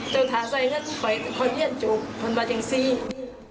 เจ้าถามใส่ก็คอยเลี่ยนจบควรมาเจ็งซี